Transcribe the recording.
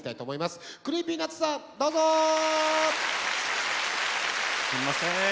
すんません。